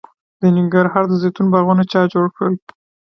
د ننګرهار د زیتون باغونه چا جوړ کړل؟